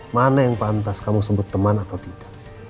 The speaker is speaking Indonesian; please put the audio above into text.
mana yang pantas kamu sebut teman atau tidak